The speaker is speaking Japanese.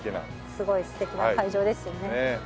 すごい素敵な会場ですよね。